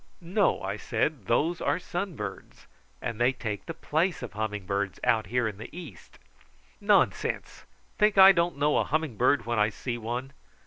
"No," I said, "those are sunbirds; and they take the place of the humming birds out here in the East." "Nonsense! Think I don't know a humming bird when I see one.